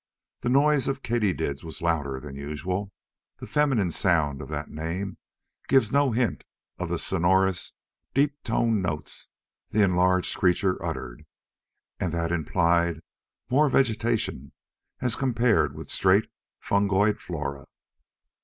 The noise of katydids was louder than usual the feminine sound of that name gives no hint of the sonorous, deep toned notes the enlarged creatures uttered and that implied more vegetation as compared with straight fungoid flora.